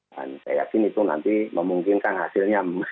dan saya yakin itu nanti memungkinkan hasilnya